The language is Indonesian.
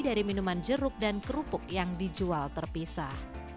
dari minuman jeruk dan kerupuk yang dijual terpisah